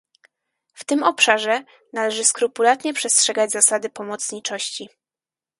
W tym obszarze należy skrupulatnie przestrzegać zasady pomocniczości